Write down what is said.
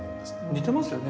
似てますよね。